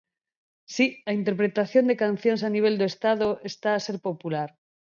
Si, a interpretación de cancións a nivel do Estado está a ser popular.